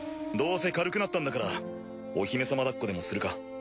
どうせ軽くなったんだからお姫様だっこでもするか。